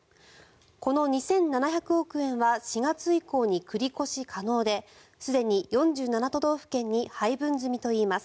この２７００億円は４月以降に繰り越し可能ですでに４７都道府県に配分済みといいます。